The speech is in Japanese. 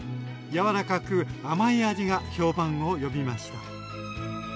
柔らかく甘い味が評判を呼びました。